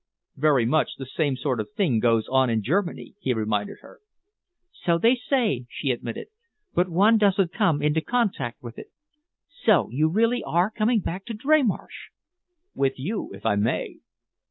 "Very much the same sort of thing goes on in Germany," he reminded her. "So they say," she admitted, "but one doesn't come into contact with it. So you are really coming back to Dreymarsh!" "With you, if I may?"